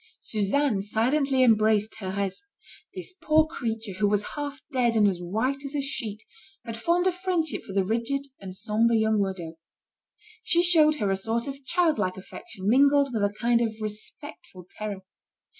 Suzanne silently embraced Thérèse. This poor creature, who was half dead, and as white as a sheet, had formed a friendship for the rigid and sombre young widow. She showed her a sort of childlike affection mingled with a kind of respectful terror.